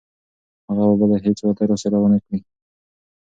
هغه به بله هیڅ وعده راسره ونه کړي.